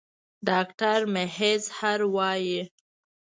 ډاکټر میزهر وايي